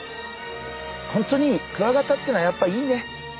ホントにクワガタっていうのはやっぱいいね。